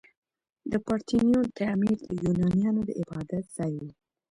د پارتینون تعمیر د یونانیانو د عبادت ځای و.